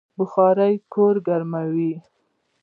بخارۍ کور ګرموي